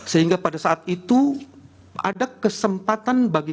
sehingga pada saat itu ada kesempatan bagi